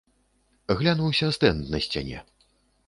Глянуўся стэнд на сцяне.